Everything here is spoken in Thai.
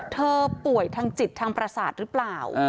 ป่วยทางจิตทางประสาทหรือเปล่า